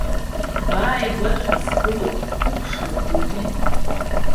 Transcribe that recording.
Бааигәаҵәҟьа сгылоуп, ҳқәыԥшра хынҳәит.